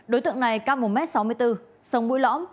đối tượng này cao một m sáu mươi bốn sông mũi lõm